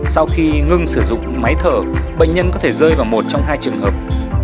sau khi ngưng sử dụng máy thở bệnh nhân có thể rơi vào một trong hai trường hợp